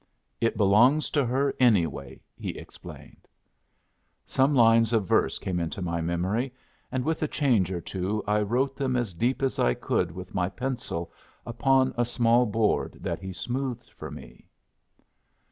"It belongs to her, anyway," he explained. Some lines of verse came into my memory, and with a change or two I wrote them as deep as I could with my pencil upon a small board that he smoothed for me.